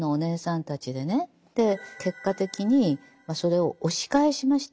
結果的にそれを押し返しました。